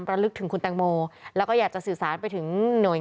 ระลึกถึงคุณแตงโมและก็อยากจะสื่อสารไปถึงหน่วยงานที่เกี่ยวข้อง